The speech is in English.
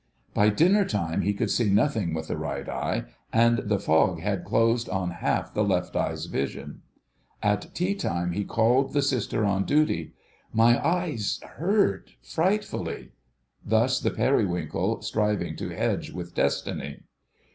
By dinner time he could see nothing with the right eye, and the fog had closed on half the left eye's vision. At tea time he called the Sister on duty— "My eyes—hurt ... frightfully." Thus the Periwinkle, striving to hedge with Destiny.